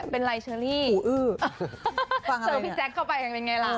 เป็นอะไรเชอร์ลี่เจอพี่แจ๊คเข้าไปยังไงล่ะ